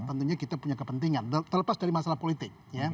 tentunya kita punya kepentingan terlepas dari masalah politik